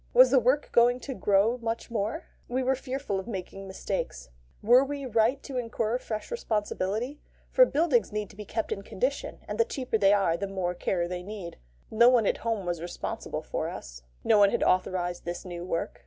Was the work going to grow much more? We were fearful of making mistakes. Were we right to incur fresh responsibility? for buildings need to be kept in condition, and the cheaper they are the more care they need. No one at home was responsible for us. No one had authorised this new work.